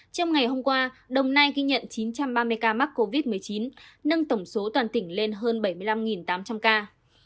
trong ngày hôm qua đồng nai ghi nhận chín trăm ba mươi ca mắc covid một mươi chín nâng tổng số toàn tỉnh lên hơn bảy mươi năm tám trăm linh ca